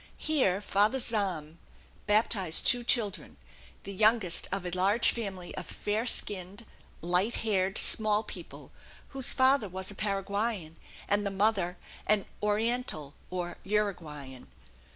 Here Father Zahm baptized two children, the youngest of a large family of fair skinned, light haired small people, whose father was a Paraguayan and the mother an "Oriental," or Uruguayan.